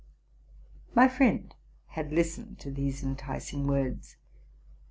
My friend had listened to these enticing words.